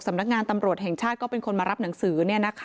สำนักงานตำรวจแห่งชาติก็เป็นคนมารับหนังสือ